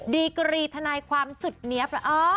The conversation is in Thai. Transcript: ดีกรีทนายความสุดเนี๊ยบ